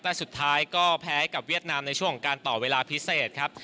แต่สุดท้ายก็แพ้กับเวียดนามในช่วงของการต่อเวลาพิเศษครับ